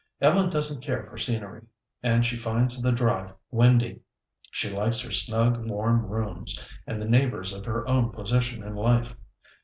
Ellen doesn't care for scenery, and she finds the Drive windy. She likes her snug, warm rooms, and the neighbours of her own position in life.